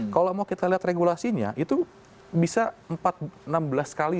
kalau mau kita lihat regulasinya itu bisa empat enam belas kali